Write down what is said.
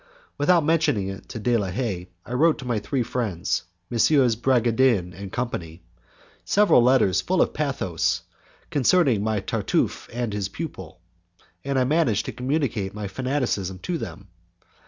Without mentioning it to De la Haye, I wrote to my three friends, Messrs. Bragadin and company, several letters full of pathos concerning my Tartufe and his pupil, and I managed to communicate my fanaticism to them.